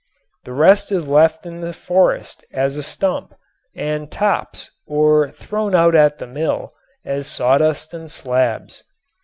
The rest is left in the forest as stump and tops or thrown out at the mill as sawdust and slabs.